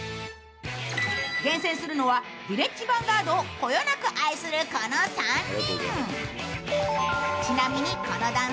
厳選するのはヴィレッジヴァンガードをこよなく愛するこの３人。